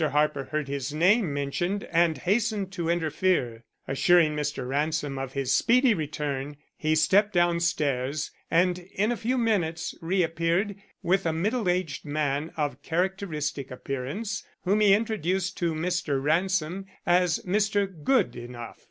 Harper heard his name mentioned and hastened to interfere. Assuring Mr. Ransom of his speedy return, he stepped down stairs, and in a few minutes reappeared with a middle aged man of characteristic appearance, whom he introduced to Mr. Ransom as Mr. Goodenough.